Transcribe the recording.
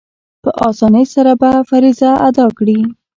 په آسانۍ سره به فریضه ادا کړي.